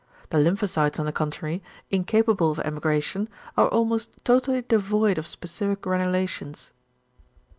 The lymphocytes on the contrary, incapable of emigration, are almost totally devoid of specific granulations.